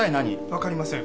わかりません。